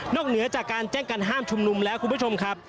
เหนือจากการแจ้งการห้ามชุมนุมแล้วคุณผู้ชมครับ